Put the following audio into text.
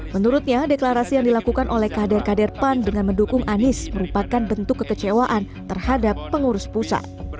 menurutnya deklarasi yang dilakukan oleh kader kader pan dengan mendukung anies merupakan bentuk kekecewaan terhadap pengurus pusat